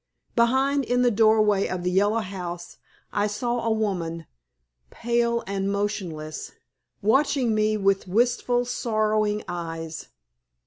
Behind in the doorway of the Yellow House I saw a woman, pale and motionless, watching me with wistful, sorrowing eyes.